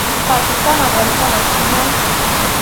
پاکستان، افغانستان او سیمه